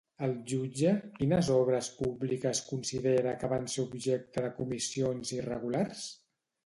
El jutge, quines obres públiques considera que van ser objecte de comissions irregulars?